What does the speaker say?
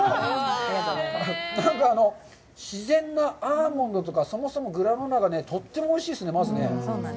なんか自然なアーモンドとか、そもそもグラノーラがとってもおいしいですね、まずね。